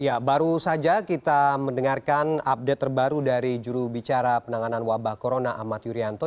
ya baru saja kita mendengarkan update terbaru dari jurubicara penanganan wabah corona ahmad yuryanto